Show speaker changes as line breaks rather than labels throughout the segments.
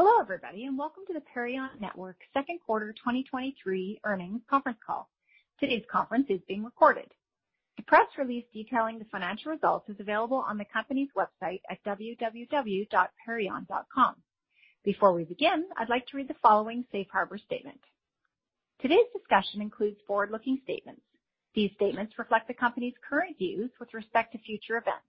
Hello, everybody, and welcome to the Perion Network second quarter 2023 earnings conference call. Today's conference is being recorded. The press release detailing the financial results is available on the company's website at www.perion.com. Before we begin, I'd like to read the following safe harbor statement. Today's discussion includes forward-looking statements. These statements reflect the company's current views with respect to future events.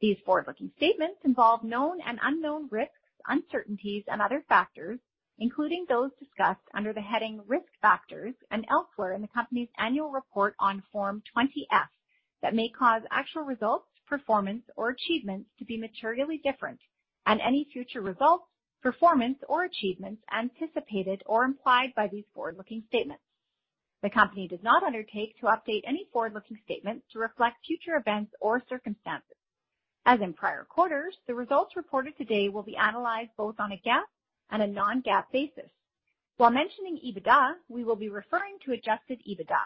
These forward-looking statements involve known and unknown risks, uncertainties and other factors, including those discussed under the heading Risk Factors and elsewhere in the company's annual report on Form 20-F, that may cause actual results, performance, or achievements to be materially different, and any future results, performance, or achievements anticipated or implied by these forward-looking statements. The company does not undertake to update any forward-looking statements to reflect future events or circumstances. As in prior quarters, the results reported today will be analyzed both on a GAAP and a non-GAAP basis. While mentioning EBITDA, we will be referring to Adjusted EBITDA.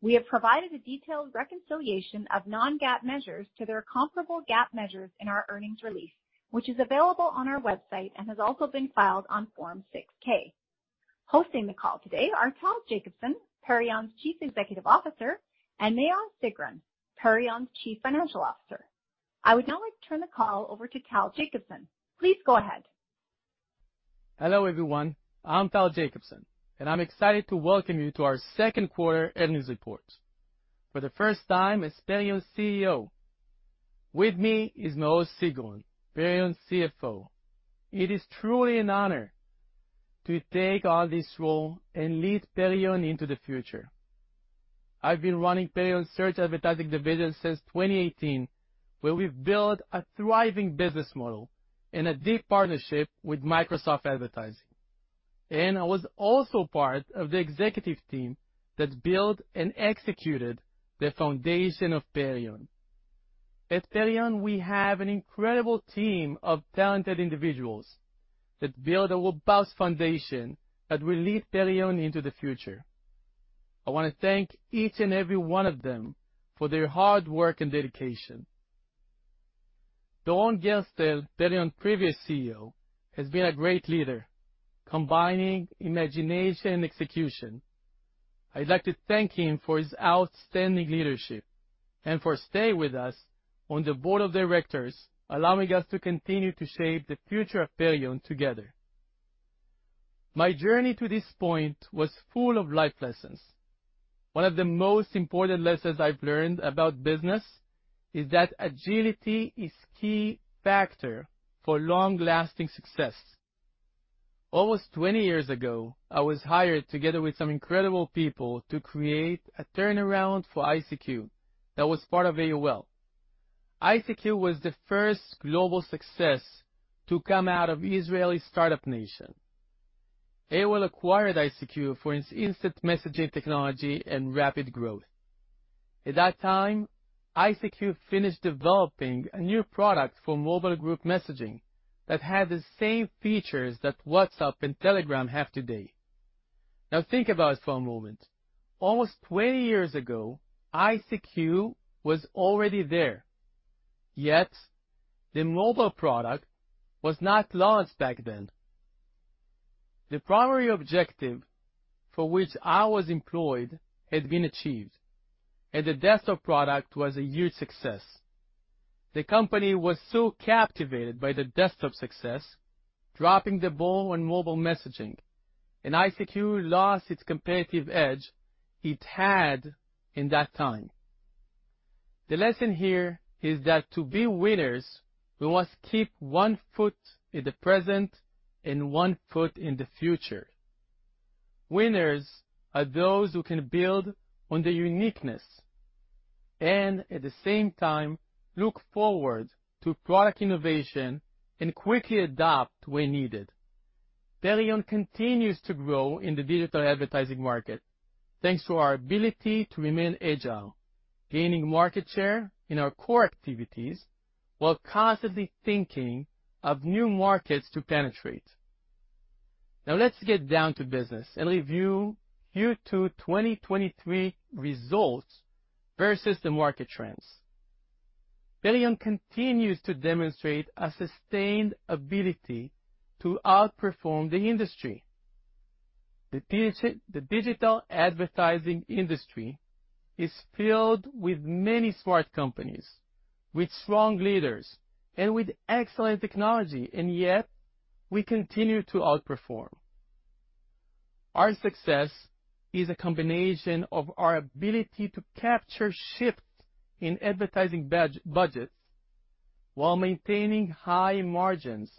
We have provided a detailed reconciliation of non-GAAP measures to their comparable GAAP measures in our earnings release, which is available on our website and has also been filed on Form 6-K. Hosting the call today are Tal Jacobson, Perion's Chief Executive Officer, and Maoz Sigron, Perion's Chief Financial Officer. I would now like to turn the call over to Tal Jacobson. Please go ahead.
Hello, everyone. I'm Tal Jacobson, and I'm excited to welcome you to our second quarter earnings report. For the first time as Perion's CEO, with me is Maoz Sigron, Perion's CFO. It is truly an honor to take on this role and lead Perion into the future. I've been running Perion's search advertising division since 2018, where we've built a thriving business model and a deep partnership with Microsoft Advertising. I was also part of the executive team that built and executed the foundation of Perion. At Perion, we have an incredible team of talented individuals that build a robust foundation that will lead Perion into the future. I want to thank each and every one of them for their hard work and dedication. Doron Gerstel, Perion's previous CEO, has been a great leader, combining imagination and execution. I'd like to thank him for his outstanding leadership and for staying with us on the board of directors, allowing us to continue to shape the future of Perion together. My journey to this point was full of life lessons. One of the most important lessons I've learned about business is that agility is key factor for long-lasting success. Almost 20 years ago, I was hired together with some incredible people to create a turnaround for ICQ that was part of AOL. ICQ was the first global success to come out of Israeli Startup Nation. AOL acquired ICQ for its instant messaging technology and rapid growth. At that time, ICQ finished developing a new product for mobile group messaging that had the same features that WhatsApp and Telegram have today. Now, think about it for a moment. Almost 20 years ago, ICQ was already there, yet the mobile product was not launched back then. The primary objective for which I was employed had been achieved, and the desktop product was a huge success. The company was so captivated by the desktop success, dropping the ball on mobile messaging, and ICQ lost its competitive edge it had in that time. The lesson here is that to be winners, we must keep one foot in the present and one foot in the future. Winners are those who can build on the uniqueness and at the same time, look forward to product innovation and quickly adapt when needed. Perion continues to grow in the digital advertising market, thanks to our ability to remain agile, gaining market share in our core activities while constantly thinking of new markets to penetrate. Let's get down to business and review Q2 2023 results versus the market trends. Perion continues to demonstrate a sustained ability to outperform the industry. The digital advertising industry is filled with many smart companies, with strong leaders and with excellent technology, yet we continue to outperform. Our success is a combination of our ability to capture shifts in advertising budgets while maintaining high margins.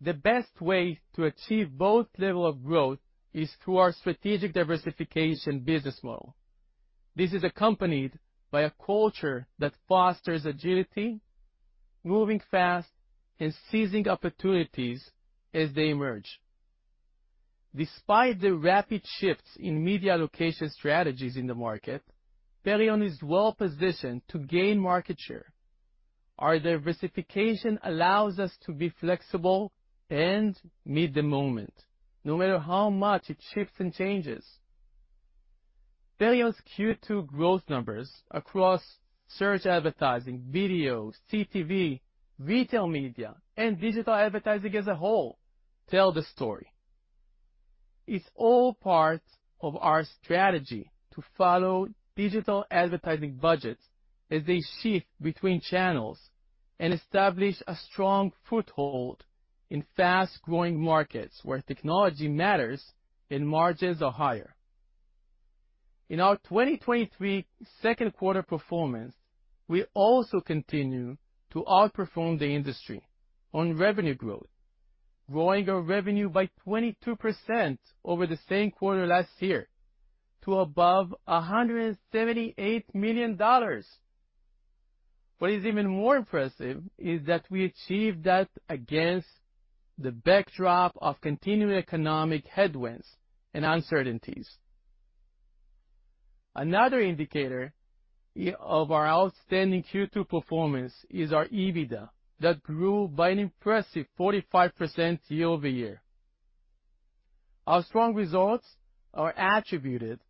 The best way to achieve both level of growth is through our strategic diversification business model. This is accompanied by a culture that fosters agility, moving fast, and seizing opportunities as they emerge. Despite the rapid shifts in media allocation strategies in the market, Perion is well positioned to gain market share. Our diversification allows us to be flexible and meet the moment, no matter how much it shifts and changes. Perion's Q2 growth numbers across search advertising, video, CTV, retail media, and digital advertising as a whole, tell the story. It's all part of our strategy to follow digital advertising budgets as they shift between channels and establish a strong foothold in fast-growing markets where technology matters and margins are higher. In our 2023 2Q performance, we also continue to outperform the industry on revenue growth, growing our revenue by 22% over the same quarter last year, to above $178 million. What is even more impressive is that we achieved that against the backdrop of continuing economic headwinds and uncertainties. Another indicator of our outstanding Q2 performance is our EBITDA, that grew by an impressive 45% year-over-year. Our strong results are attributed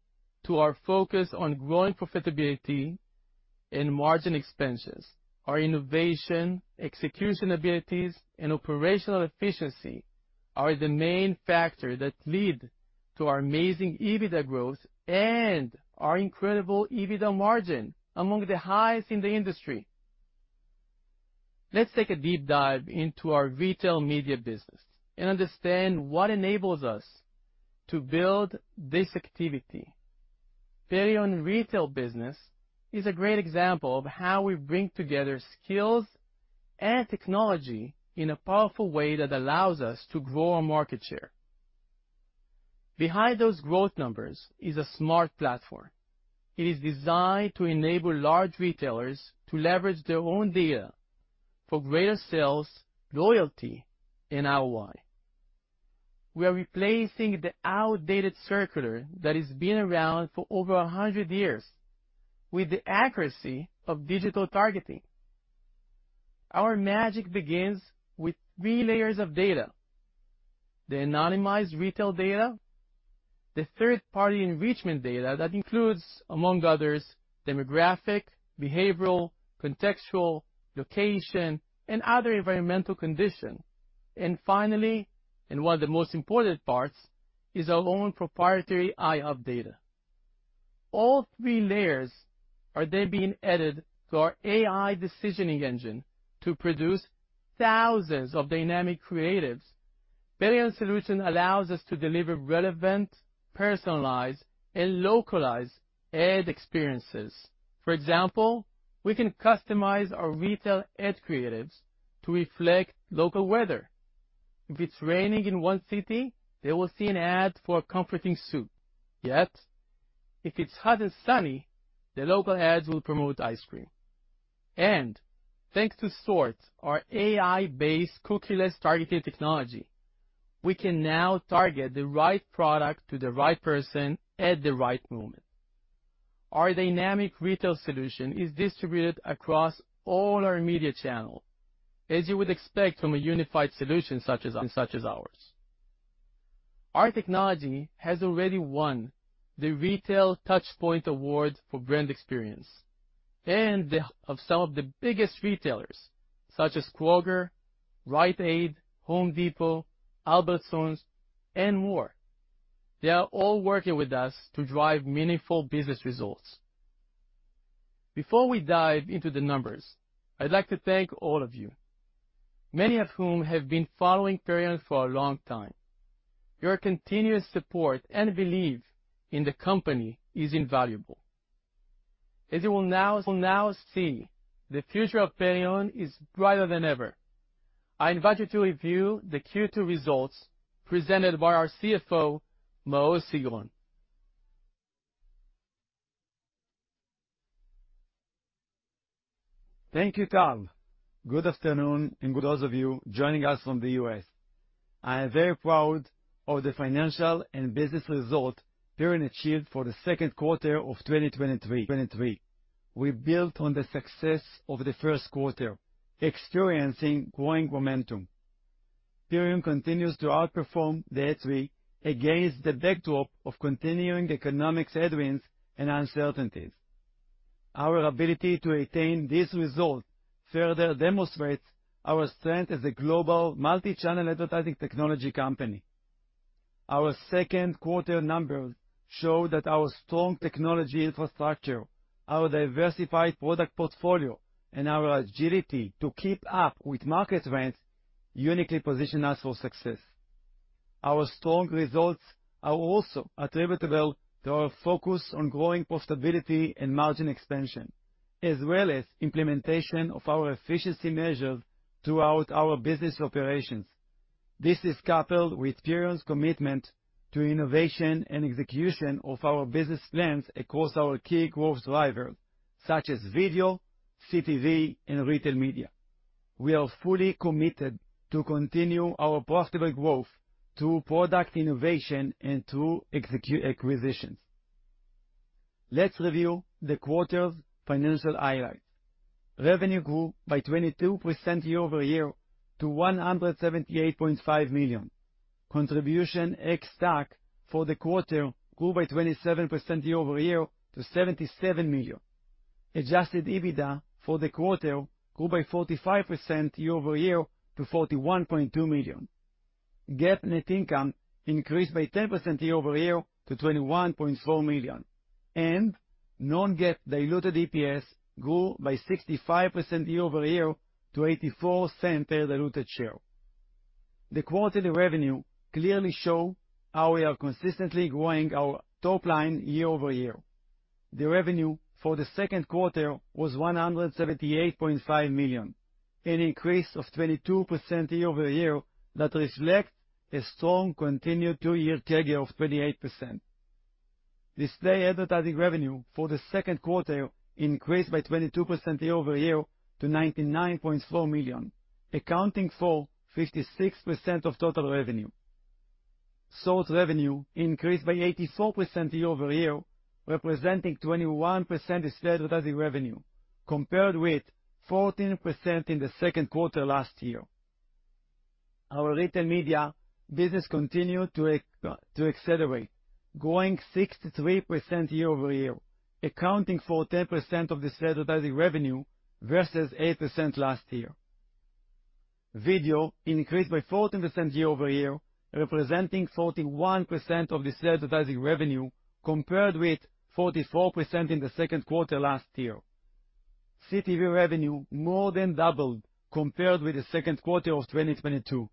to our focus on growing profitability and margin expenses. Our innovation, execution abilities, and operational efficiency are the main factor that lead to our amazing EBITDA growth and our incredible EBITDA margin, among the highest in the industry. Let's take a deep dive into our retail media business and understand what enables us to build this activity. Perion retail business is a great example of how we bring together skills and technology in a powerful way that allows us to grow our market share. Behind those growth numbers is a smart platform. It is designed to enable large retailers to leverage their own data for greater sales, loyalty, and ROI. We are replacing the outdated circular that has been around for over 100 years, with the accuracy of digital targeting. Our magic begins with three layers of data: the anonymized retail data, the third-party enrichment data that includes, among others, demographic, behavioral, contextual, location, and other environmental condition, finally, and one of the most important parts, is our own proprietary iHub data. All three layers are then being added to our AI decisioning engine to produce thousands of dynamic creatives. Perion solution allows us to deliver relevant, personalized, and localized ad experiences. For example, we can customize our retail ad creatives to reflect local weather. If it's raining in one city, they will see an ad for a comforting soup. If it's hot and sunny, the local ads will promote ice cream. Thanks to SORT, our AI-based cookieless targeting technology, we can now target the right product to the right person at the right moment. Our dynamic retail solution is distributed across all our media channels, as you would expect from a unified solution such as ours. Our technology has already won the Retail TouchPoints Award for Brand Experience of some of the biggest retailers, such as Kroger, Rite Aid, Home Depot, Albertsons, and more. They are all working with us to drive meaningful business results. Before we dive into the numbers, I'd like to thank all of you, many of whom have been following Perion for a long time. Your continuous support and belief in the company is invaluable. As you will now see, the future of Perion is brighter than ever. I invite you to review the Q2 results presented by our CFO, Maoz Sigron.
Thank you, Tal. Good afternoon, and those of you joining us from the U.S. I am very proud of the financial and business result Perion achieved for the second quarter of 2023. We built on the success of the first quarter, experiencing growing momentum. Perion continues to outperform the industry against the backdrop of continuing economics headwinds and uncertainties. Our ability to attain this result further demonstrates our strength as a global multi-channel advertising technology company. Our second quarter numbers show that our strong technology infrastructure, our diversified product portfolio, and our agility to keep up with market trends uniquely position us for success. Our strong results are also attributable to our focus on growing profitability and margin expansion, as well as implementation of our efficiency measures throughout our business operations. This is coupled with Perion's commitment to innovation and execution of our business plans across our key growth drivers, such as video, CTV, and retail media. We are fully committed to continue our profitable growth through product innovation and through executing acquisitions. Let's review the quarter's financial highlights.... Revenue grew by 22% year-over-year to $178.5 million. Contribution ex-TAC for the quarter grew by 27% year-over-year to $77 million. Adjusted EBITDA for the quarter grew by 45% year-over-year to $41.2 million. GAAP net income increased by 10% year-over-year to $21.4 million, and non-GAAP diluted EPS grew by 65% year-over-year to $0.84 per diluted share. The quarterly revenue clearly show how we are consistently growing our top line year-over-year. The revenue for the second quarter was $178.5 million, an increase of 22% year-over-year that reflect a strong continued 2-year target of 28%. Display advertising revenue for the second quarter increased by 22% year-over-year to $99.4 million, accounting for 56% of total revenue. Search revenue increased by 84% year-over-year, representing 21% display advertising revenue, compared with 14% in the second quarter last year. Our retail media business continued to accelerate, growing 63% year-over-year, accounting for 10% of display advertising revenue versus 8% last year. Video increased by 14% year-over-year, representing 41% of display advertising revenue, compared with 44% in the second quarter last year. CTV revenue more than doubled compared with the second quarter of 2022,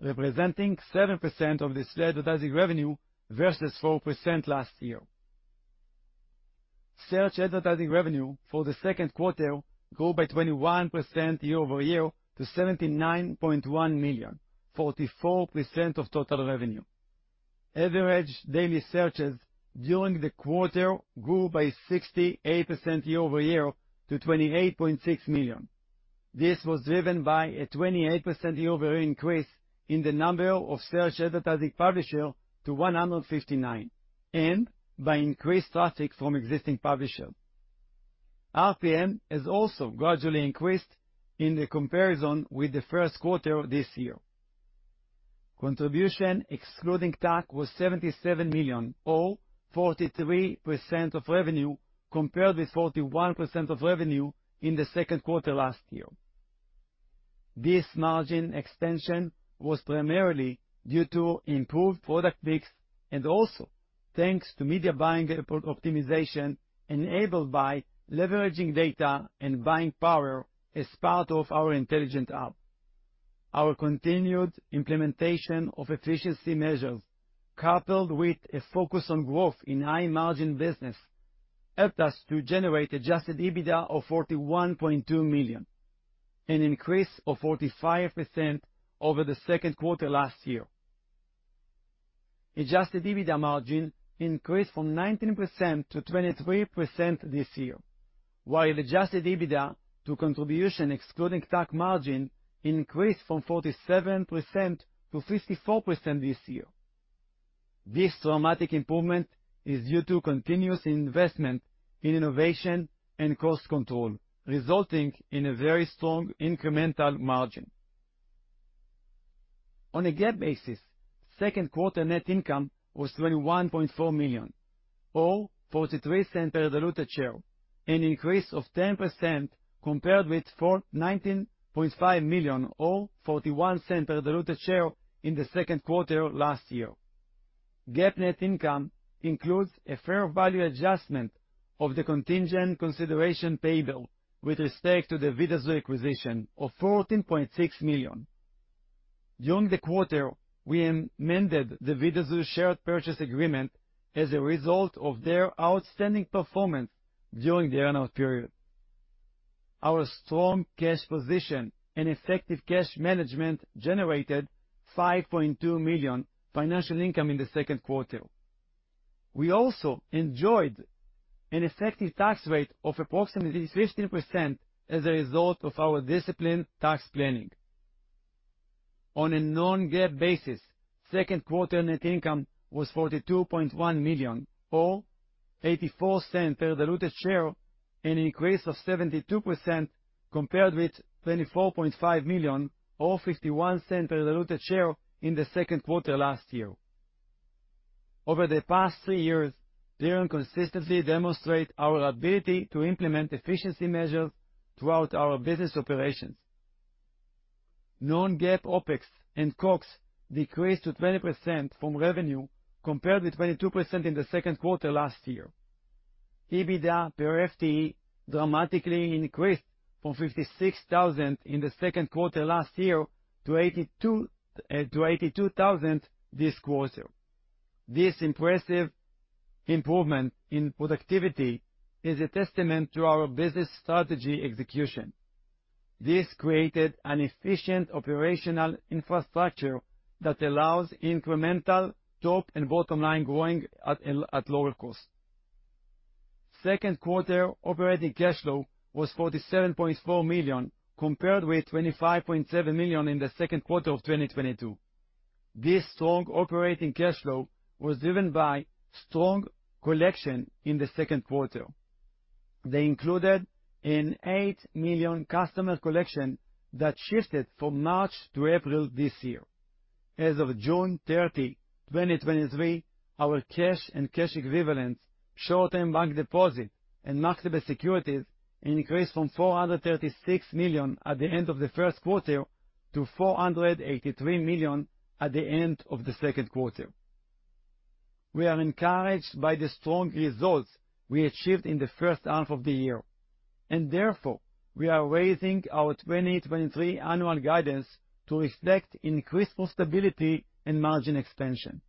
representing 7% of display advertising revenue versus 4% last year. Search advertising revenue for the second quarter grew by 21% year-over-year to $79.1 million, 44% of total revenue. Average daily searches during the quarter grew by 68% year-over-year to 28.6 million. This was driven by a 28% year-over-year increase in the number of search advertising publisher to 159, and by increased traffic from existing publishers. RPM has also gradually increased in the comparison with the first quarter this year. Contribution ex-TAC was $77 million, or 43% of revenue, compared with 41% of revenue in the second quarter last year. This margin extension was primarily due to improved product mix, also thanks to media buying optimization, enabled by leveraging data and buying power as part of our intelligent HUB. Our continued implementation of efficiency measures, coupled with a focus on growth in high-margin business, helped us to generate Adjusted EBITDA of $41.2 million, an increase of 45% over the second quarter last year. Adjusted EBITDA margin increased from 19%-23% this year, while Adjusted EBITDA to contribution ex-TAC margin increased from 47%-54% this year. This dramatic improvement is due to continuous investment in innovation and cost control, resulting in a very strong incremental margin. On a GAAP basis, second quarter net income was $21.4 million, or $0.43 per diluted share, an increase of 10% compared with $19.5 million, or $0.41 per diluted share in the second quarter last year. GAAP net income includes a fair value adjustment of the contingent consideration payable with respect to the Vidazoo acquisition of $14.6 million. During the quarter, we amended the Vidazoo share purchase agreement as a result of their outstanding performance during the earnout period. Our strong cash position and effective cash management generated $5.2 million financial income in the second quarter. We also enjoyed an effective tax rate of approximately 15% as a result of our disciplined tax planning. On a non-GAAP basis, second quarter net income was $42.1 million, or $0.84 per diluted share, an increase of 72% compared with $24.5 million, or $0.51 per diluted share in the second quarter last year. Over the past 3 years, Perion consistently demonstrate our ability to implement efficiency measures throughout our business operations. Non-GAAP OpEx and CapEx decreased to 20% from revenue, compared with 22% in the second quarter last year. EBITDA per FTE dramatically increased from $56,000 in the second quarter last year to $82,000 this quarter. This impressive improvement in productivity is a testament to our business strategy execution. This created an efficient operational infrastructure that allows incremental top and bottom line growing at lower cost. Second quarter operating cash flow was $47.4 million, compared with $25.7 million in the second quarter of 2022.... This strong operating cash flow was driven by strong collection in the second quarter. They included an $8 million customer collection that shifted from March to April this year. As of June 30, 2023, our cash and cash equivalents, short-term bank deposit, and marketable securities increased from $436 million at the end of the first quarter to $483 million at the end of the second quarter. We are encouraged by the strong results we achieved in the first half of the year, and therefore, we are raising our 2023 annual guidance to reflect increased profitability and margin expansion.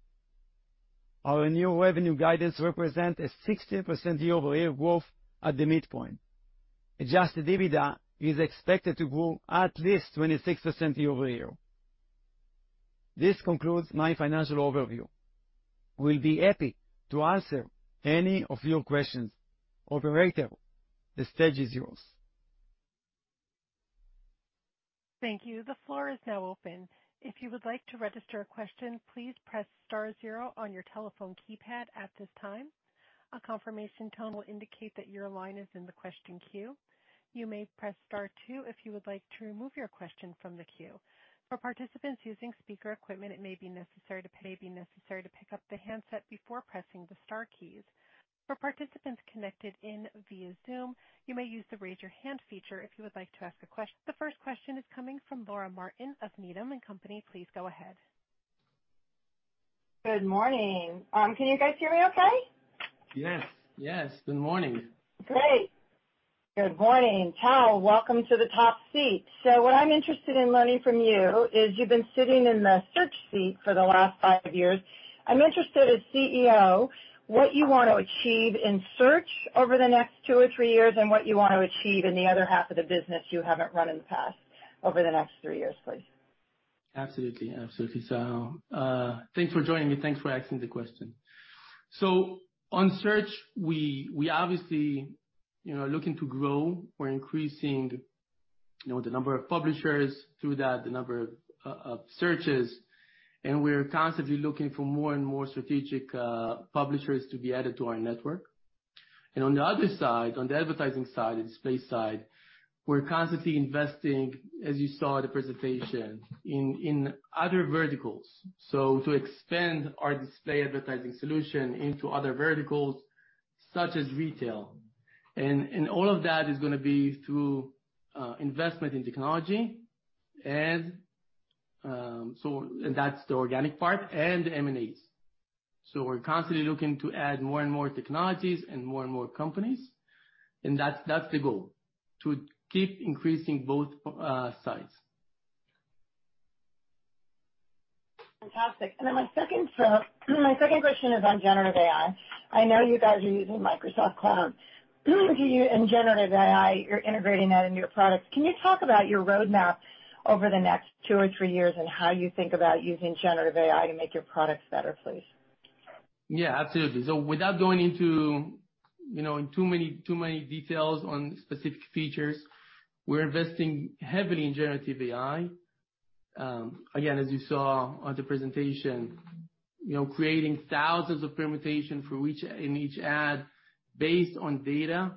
Our new revenue guidance represent a 16% year-over-year growth at the midpoint. Adjusted EBITDA is expected to grow at least 26% year-over-year. This concludes my financial overview. We'll be happy to answer any of your questions. Operator, the stage is yours.
Thank you. The floor is now open. If you would like to register a question, please press star zero on your telephone keypad at this time. A confirmation tone will indicate that your line is in the question queue. You may press star two if you would like to remove your question from the queue. For participants using speaker equipment, it may be necessary to pick up the handset before pressing the star keys. For participants connected in via Zoom, you may use the Raise Your Hand feature if you would like to ask a question. The first question is coming from Laura Martin of Needham & Company. Please go ahead.
Good morning. Can you guys hear me okay?
Yes. Yes. Good morning.
Great. Good morning. Tal, welcome to the top seat. What I'm interested in learning from you is you've been sitting in the search seat for the last 5 years. I'm interested, as CEO, what you want to achieve in search over the next 2 or 3 years and what you want to achieve in the other half of the business you haven't run in the past, over the next 3 years, please?
Absolutely. Absolutely. Thanks for joining me. Thanks for asking the question. On search, we, we obviously, you know, are looking to grow. We're increasing, you know, the number of publishers through that, the number of, of, searches, and we are constantly looking for more and more strategic publishers to be added to our network. On the other side, on the advertising side, the display side, we're constantly investing, as you saw in the presentation, in, in other verticals, so to expand our display advertising solution into other verticals such as retail. And all of that is gonna be through investment in technology. That's the organic part and M&As. We're constantly looking to add more and more technologies and more and more companies, and that's, that's the goal, to keep increasing both sides.
Fantastic. My second, my second question is on Generative AI. I know you guys are using Microsoft Cloud. Generative AI, you're integrating that into your products. Can you talk about your roadmap over the next two or three years and how you think about using Generative AI to make your products better, please?
Yeah, absolutely. Without going into, you know, in too many, too many details on specific features, we're investing heavily in Generative AI. Again, as you saw on the presentation, you know, creating 1,000s of permutations in each ad based on data.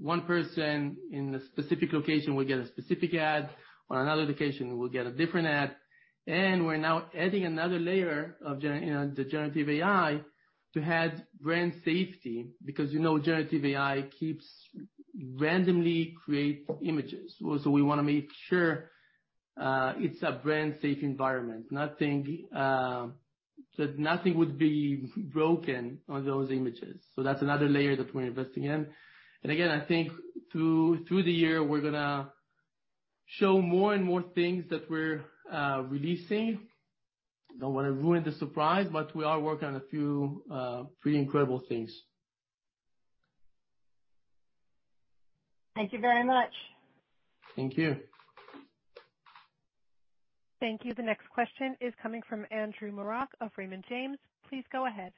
One person in a specific location will get a specific ad, on another location will get a different ad. We're now adding another layer of the Generative AI to add brand safety, because, you know, Generative AI keeps randomly create images. We wanna make sure, it's a brand safe environment, nothing that nothing would be broken on those images. That's another layer that we're investing in. Again, I think through, through the year, we're gonna show more and more things that we're releasing. Don't wanna ruin the surprise, but we are working on a few, pretty incredible things.
Thank you very much.
Thank you.
Thank you. The next question is coming from Andrew Marok of Raymond James. Please go ahead.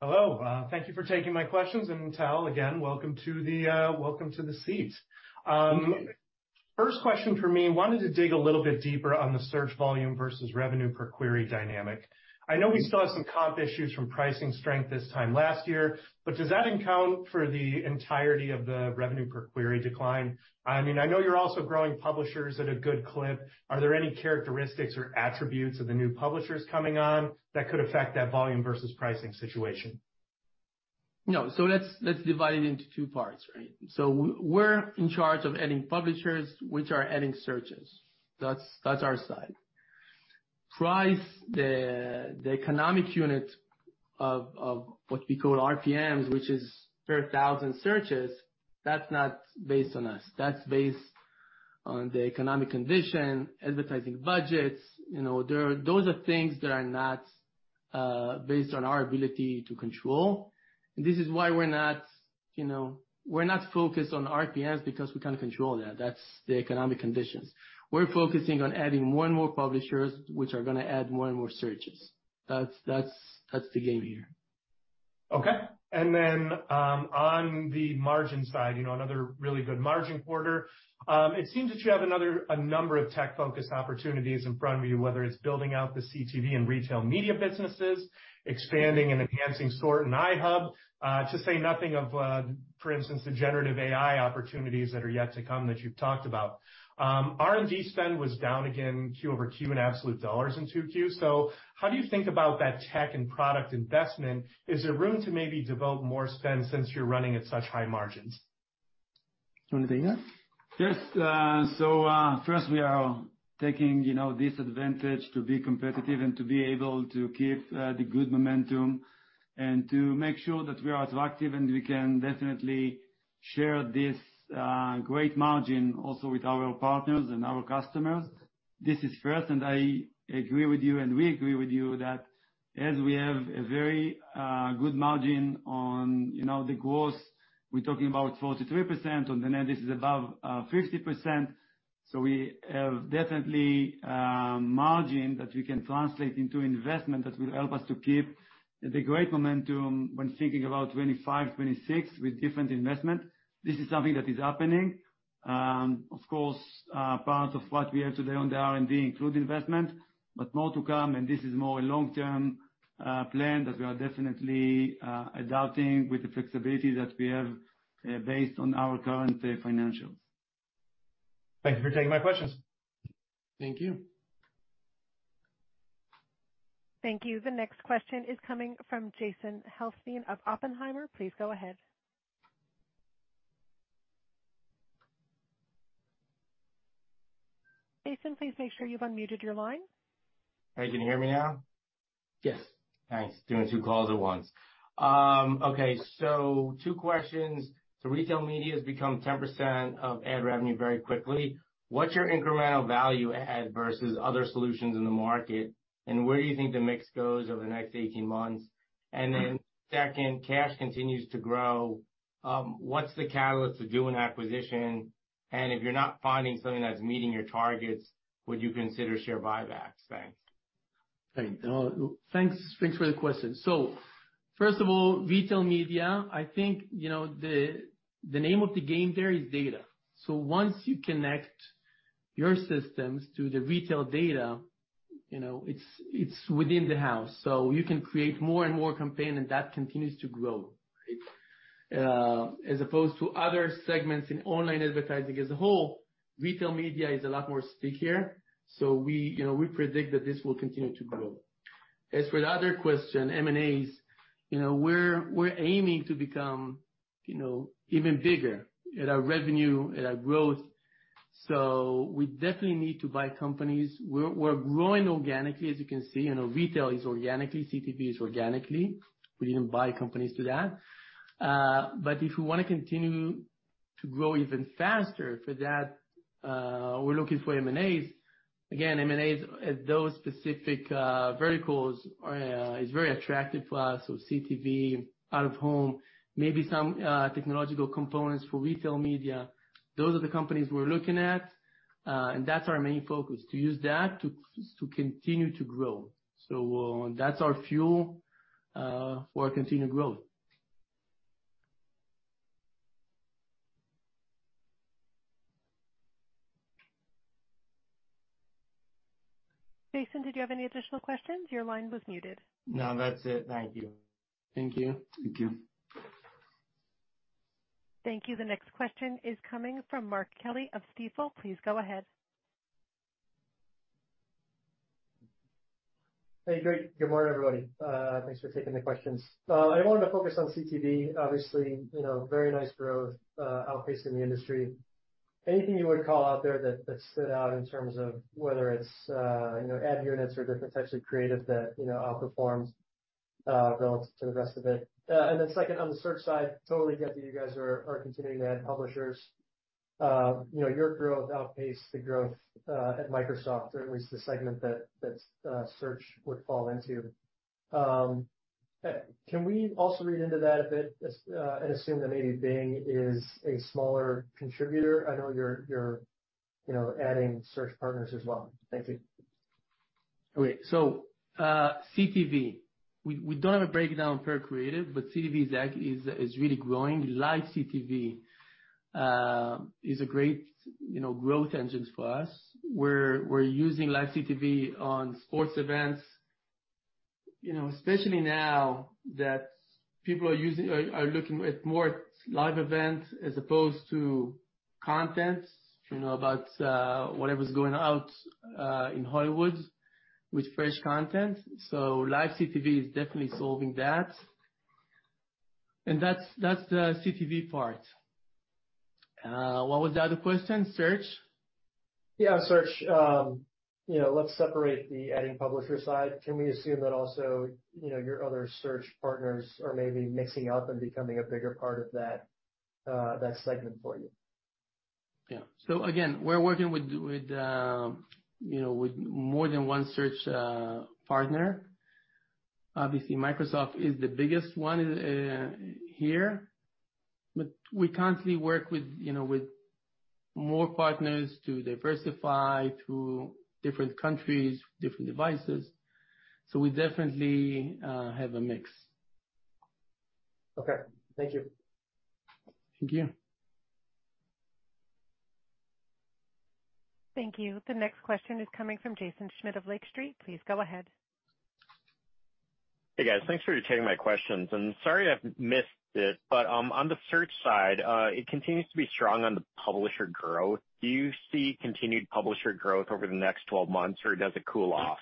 Hello. Thank you for taking my questions, and Tal, again, welcome to the welcome to the seat. First question for me, wanted to dig a little bit deeper on the search volume versus revenue per query dynamic. I know we still have some comp issues from pricing strength this time last year, but does that account for the entirety of the revenue per query decline? I mean, I know you're also growing publishers at a good clip. Are there any characteristics or attributes of the new publishers coming on that could affect that volume versus pricing situation?
No. Let's, let's divide it into two parts, right? We're in charge of adding publishers, which are adding searches. That's, that's our side. Price, the, the economic unit of, of what we call RPMs, which is per 1,000 searches, that's not based on us. That's based on the economic condition, advertising budgets, you know, those are things that are not based on our ability to control. This is why we're not, you know, we're not focused on RPMs because we can't control that. That's the economic conditions. We're focusing on adding more and more publishers, which are gonna add more and more searches. That's, that's, that's the game here.
Okay. On the margin side, you know, another really good margin quarter. It seems that you have a number of tech-focused opportunities in front of you, whether it's building out the CTV and retail media businesses, expanding and enhancing store and iHub, to say nothing of, for instance, the Generative AI opportunities that are yet to come that you've talked about. R&D spend was down again, Q over Q in absolute dollars in 2Q. How do you think about that tech and product investment? Is there room to maybe develop more spend since you're running at such high margins?
You want to take that?
Yes. So, first, we are taking, you know, this advantage to be competitive and to be able to keep the good momentum and to make sure that we are attractive, and we can definitely share this great margin also with our partners and our customers. This is first, and I agree with you, and we agree with you that as we have a very good margin on, you know, the growth, we're talking about 43%. On the net, this is above 50%. So we have definitely margin that we can translate into investment that will help us to keep the great momentum when thinking about 2025, 2026 with different investment. This is something that is happening. Of course, part of what we have today on the R&D include investment, but more to come, and this is more a long-term plan that we are definitely adopting with the flexibility that we have, based on our current financials.
Thank you for taking my questions.
Thank you.
Thank you. The next question is coming from Jason Helfstein of Oppenheimer. Please go ahead. Jason, please make sure you've unmuted your line.
Hey, can you hear me now?
Yes.
Thanks. Doing two calls at once. Okay, two questions. Retail media has become 10% of ad revenue very quickly. What's your incremental value add versus other solutions in the market, and where do you think the mix goes over the next 18 months? Second, cash continues to grow, what's the catalyst to do an acquisition? If you're not finding something that's meeting your targets, would you consider share buybacks? Thanks.
Thanks. Thanks, thanks for the question. First of all, retail media, I think, you know, the name of the game there is data. Once you connect your systems to the retail data, you know, it's within the house, so you can create more and more campaign, and that continues to grow. Right? As opposed to other segments in online advertising as a whole, retail media is a lot more stickier, so we, you know, we predict that this will continue to grow. As for the other question, M&As, you know, we're aiming to become, you know, even bigger at our revenue, at our growth, so we definitely need to buy companies. We're growing organically, as you can see, you know, retail is organically, CTV is organically. We didn't buy companies to that. If we want to continue to grow even faster, for that, we're looking for M&As. Again, M&As, those specific verticals are, is very attractive for us, so CTV, out-of-home, maybe some technological components for retail media. Those are the companies we're looking at, and that's our main focus, to use that to, to continue to grow. That's our fuel for continued growth.
Jason, did you have any additional questions? Your line was muted.
No, that's it. Thank you.
Thank you.
Thank you.
Thank you. The next question is coming from Mark Kelley of Stifel. Please go ahead.
Hey, great. Good morning, everybody. Thanks for taking the questions. I wanted to focus on CTV. Obviously, you know, very nice growth, outpacing the industry. Anything you would call out there that, that stood out in terms of whether it's, you know, ad units or different types of creative that, you know, outperforms relative to the rest of it? Then second, on the search side, totally get that you guys are, are continuing to add publishers. You know, your growth outpaced the growth at Microsoft, or at least the segment that, that Search would fall into. Can we also read into that a bit and assume that maybe Bing is a smaller contributor? I know you're, you're, you know, adding search partners as well. Thank you.
Okay. CTV, we, we don't have a breakdown per creative, but CTV is, is really growing. Live CTV is a great, you know, growth engines for us. We're, we're using live CTV on sports events, you know, especially now that people are using are, are looking at more live events as opposed to content, you know, about whatever's going out in Hollywood with fresh content. Live CTV is definitely solving that. That's, that's the CTV part. What was the other question? Search?
Yeah, search. you know, let's separate the adding publisher side. Can we assume that also, you know, your other search partners are maybe mixing up and becoming a bigger part of that, that segment for you?
Yeah. Again, we're working with, with, you know, with more than one search partner. Obviously, Microsoft is the biggest one here. But we constantly work with, you know, with more partners to diversify to different countries, different devices, so we definitely have a mix.
Okay. Thank you.
Thank you.
Thank you. The next question is coming from Jaeson Schmidt of Lake Street. Please go ahead.
Hey, guys. Thanks for taking my questions, and sorry I've missed it, but, on the search side, it continues to be strong on the publisher growth. Do you see continued publisher growth over the next 12 months, or does it cool off?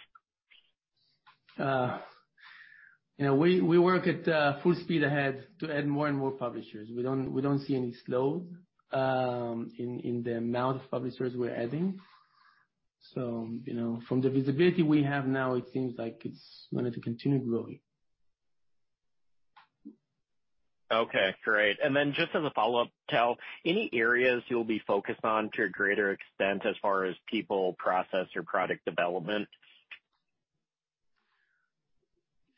you know, we, we work at full speed ahead to add more and more publishers. We don't, we don't see any slows in, in the amount of publishers we're adding. you know, from the visibility we have now, it seems like it's going to continue growing.
Okay, great. Just as a follow-up, Tal, any areas you'll be focused on to a greater extent as far as people, process, or product development?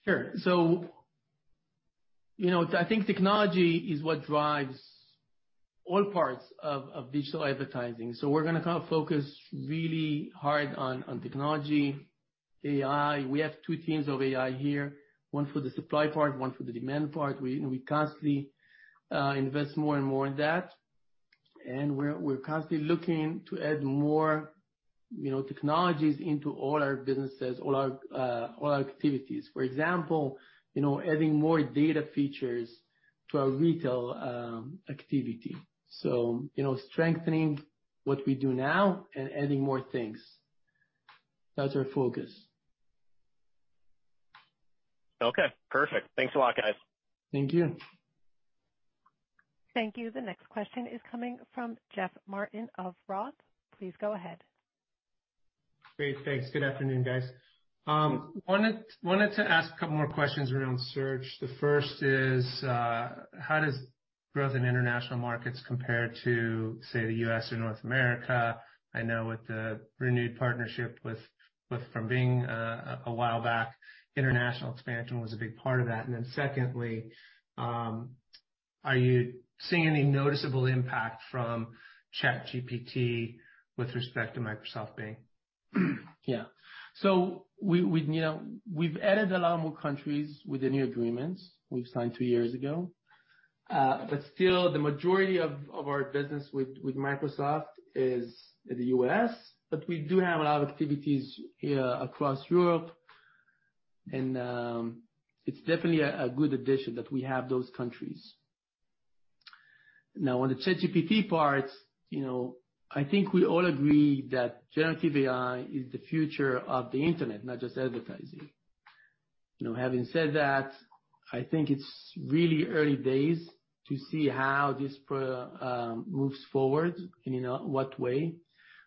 Sure. you know, I think technology is what drives all parts of, of digital advertising, so we're gonna kind of focus really hard on, on technology, AI. We have two teams of AI here, one for the supply part, one for the demand part. We, we constantly invest more and more in that, and we're constantly looking to add more, you know, technologies into all our businesses, all our activities. For example, you know, adding more data features to our retail activity. you know, strengthening what we do now and adding more things. That's our focus.
Okay, perfect. Thanks a lot, guys.
Thank you.
Thank you. The next question is coming from Jeff Martin of Roth. Please go ahead.
Great. Thanks. Good afternoon, guys. wanted, wanted to ask a couple more questions around search. The first is, how does growth in international markets compare to, say, the U.S. or North America? I know with the renewed partnership with, with from Bing, a while back, international expansion was a big part of that. Then secondly, are you seeing any noticeable impact from ChatGPT with respect to Microsoft Bing?
Yeah. We, we, you know, we've added a lot more countries with the new agreements we've signed 2 years ago. Still the majority of, of our business with, with Microsoft is in the US, but we do have a lot of activities across Europe, and it's definitely a, a good addition that we have those countries. On the ChatGPT part, you know, I think we all agree that generative AI is the future of the internet, not just advertising. You know, having said that, I think it's really early days to see how this pro, moves forward and, you know, what way.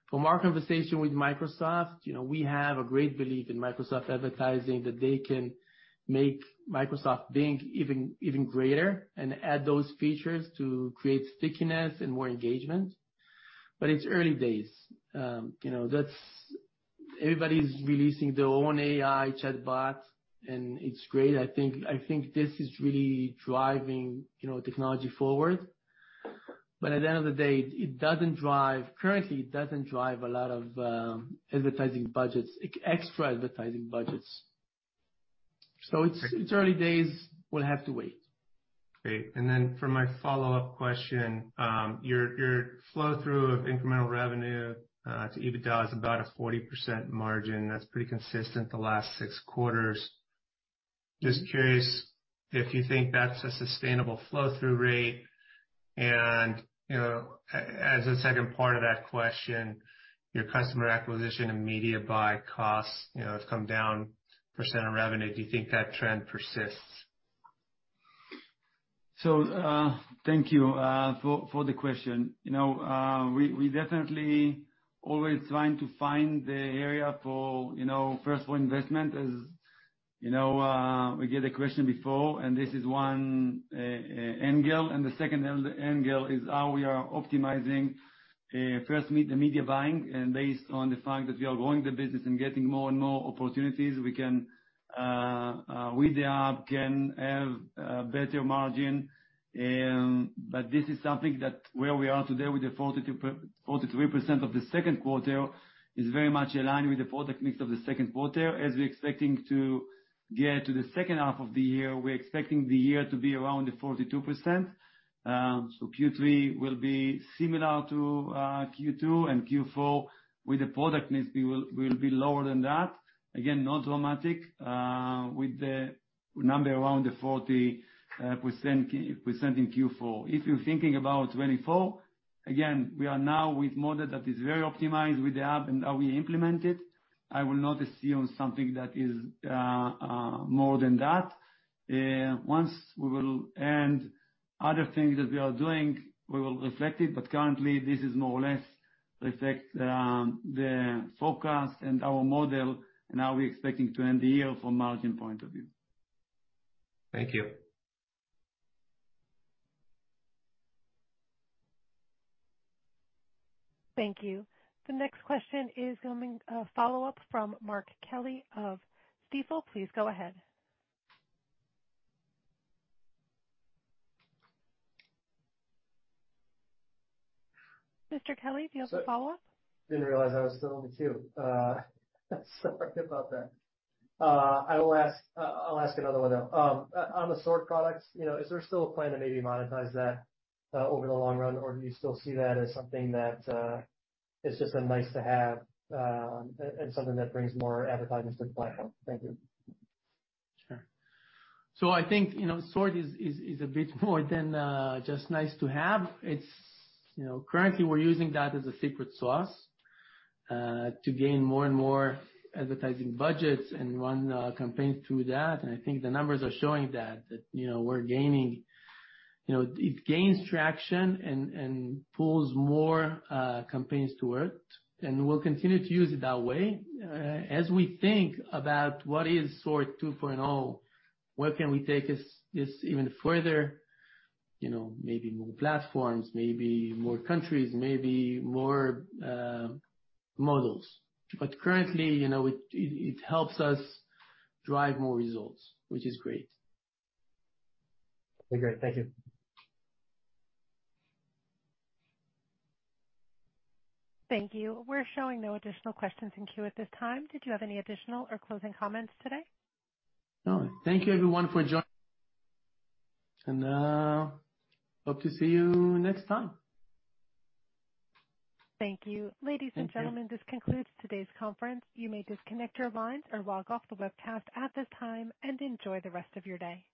From our conversation with Microsoft, you know, we have a great belief in Microsoft Advertising, that they can make Microsoft Bing even, even greater and add those features to create stickiness and more engagement. It's early days. You know, that's-- everybody's releasing their own AI chatbot, and it's great. I think, I think this is really driving, you know, technology forward. At the end of the day, it doesn't drive-- currently, it doesn't drive a lot of advertising budgets, extra advertising budgets. It's, it's early days. We'll have to wait.
Great. And then for my follow-up question, your, your flow through of incremental revenue to EBITDA is about a 40% margin. That's pretty consistent the last six quarters. Just curious if you think that's a sustainable flow-through rate, and, you know, as a second part of that question, your customer acquisition and media buy costs, you know, have come down percent of revenue. Do you think that trend persists?
Thank you for the question. You know, we, we definitely always trying to find the area for, you know, first for investment, as, you know, we get a question before, and this is one angle, and the second angle is how we are optimizing first meet the media buying, and based on the fact that we are growing the business and getting more and more opportunities, we can with the app, can have a better margin. This is something that where we are today, with the 42%-43% of the second quarter, is very much aligned with the product mix of the second quarter. As we're expecting to get to the second half of the year, we're expecting the year to be around the 42%. Q3 will be similar to Q2, and Q4, with the product mix, will be lower than that. Not dramatic, with the number around the 40% in Q4. If you're thinking about 2024, we are now with model that is very optimized with the app and how we implement it. I will not assume something that is more than that. Once we will end other things that we are doing, we will reflect it, but currently, this is more or less reflect the forecast and our model and how we're expecting to end the year from a margin point of view.
Thank you.
Thank you. The next question is coming, a follow-up from Mark Kelley of Stifel. Please go ahead. Mr. Kelley, do you have a follow-up?
Didn't realize I was still in the queue. Sorry about that. I will ask, I'll ask another one, though. On the SORT products, you know, is there still a plan to maybe monetize that over the long run, or do you still see that as something that is just a nice to have, and something that brings more advertisers to the platform? Thank you.
Sure. I think, you know, SORT is, is, is a bit more than just nice to have. It's. You know, currently, we're using that as a secret sauce to gain more and more advertising budgets and run campaigns through that, and I think the numbers are showing that, that, you know, we're gaining. You know, it gains traction and pulls more campaigns to it, and we'll continue to use it that way. As we think about what is SORT 2.0, where can we take this, this even further, you know, maybe more platforms, maybe more countries, maybe more models. Currently, you know, it, it, it helps us drive more results, which is great.
Okay, great. Thank you.
Thank you. We're showing no additional questions in queue at this time. Did you have any additional or closing comments today?
No. Thank you everyone for joining, and, hope to see you next time.
Thank you.
Thank you.
Ladies and gentlemen, this concludes today's conference. You may disconnect your lines or log off the webcast at this time, and enjoy the rest of your day.